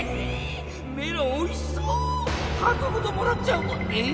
メロンおいしそう！はこごともらっちゃうもんねぇ！